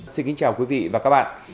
xin kính chào quý vị và các bạn